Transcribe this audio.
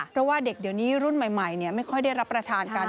เพราะว่าเด็กเดี๋ยวนี้รุ่นใหม่ไม่ค่อยได้รับประทานกัน